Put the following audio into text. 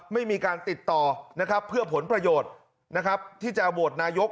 ไม่มีการติดต่อนะครับเพื่อผลประโยชน์นะครับที่จะโหวตนายก